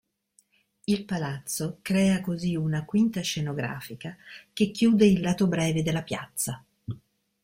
Il palazzo crea così una quinta scenografica che chiude il lato breve della piazza.